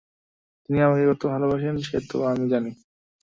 তিনি আমাকে কত ভালোবাসেন সে তো আমি জানি।